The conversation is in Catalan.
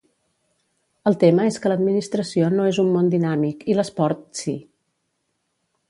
El tema és que l'administració no és un món dinàmic i l'esport, sí.